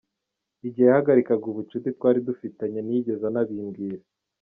Igihe yahagarikaga ubucuti twari dufitanye, ntiyigeze anabimbwira.